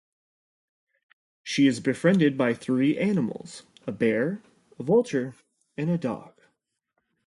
She is befriended by three animals: a bear, a vulture and a dog.